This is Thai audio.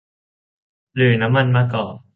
หรือน้ำมันมะกอก